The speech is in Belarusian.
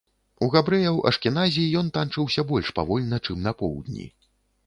У габрэяў-ашкеназі ён танчыўся больш павольна, чым на поўдні.